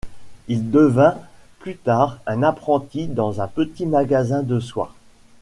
Il devint plus tard un apprenti dans un petit magasin de soie.